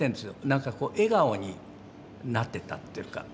なんかこう笑顔になってたっていうか。